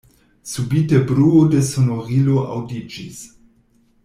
Subite bruo de sonorilo aŭdiĝis.